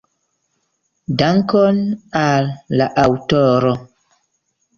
Dankon al la aŭtoro.